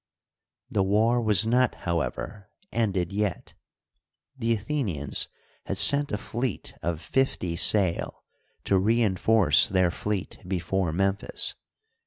The war was not, however, ended yet. The Athenians had sent a fleet of fifty sail to re enforce their fleet before Memphis.